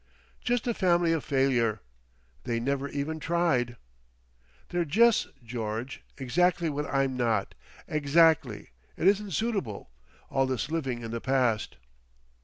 "Just a Family of Failure,—they never even tried! "They're jes', George, exactly what I'm not. Exactly. It isn't suitable.... All this living in the Past.